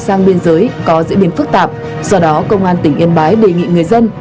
sang biên giới có diễn biến phức tạp do đó công an tỉnh yên bái đề nghị người dân